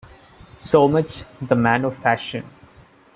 So much the man of fashion!